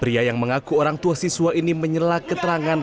pria yang mengaku orang tua siswa ini menyela keterangan